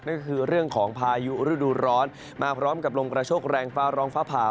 ก็คือเรื่องของพายุฤดูร้อนมาพร้อมกับลมกระโชคแรงฟ้าร้องฟ้าผ่า